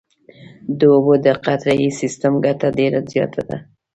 د اوبو د قطرهیي سیستم ګټه ډېره زیاته ده.